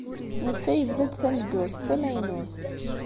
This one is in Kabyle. Netta yebda-d tameddurt d tamaynut.